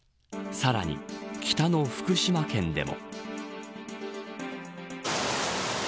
さらに、北の福島県でも。